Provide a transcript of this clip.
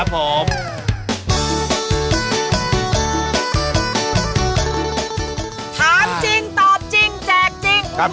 ถามจริงตอบจริงแจกจริง